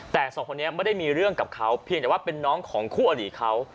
แต่สองคนนี้ไม่ได้มีเรื่องกับเขาเพียงแต่ว่าเป็นน้องของคู่อดีตเขา